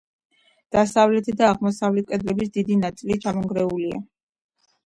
დასავლეთი და აღმოსავლეთი კედლების დიდი ნაწილი ჩამონგრეულია.